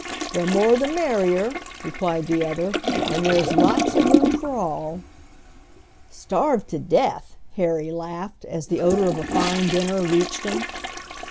"The more the merrier," replied the other, "and there's lots of room for all." "Starved to death!" Harry laughed, as the odor of a fine dinner reached him.